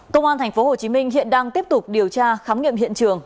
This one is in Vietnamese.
công an tp hcm hiện đang tiếp tục điều tra khám nghiệm hiện trường